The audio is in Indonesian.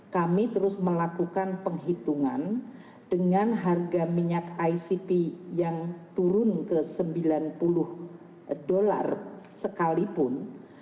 rp lima ratus dua empat triliun dihitung berdasarkan rp lima ratus dua empat triliun